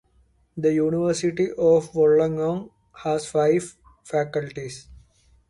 The University of Wollongong has five faculties.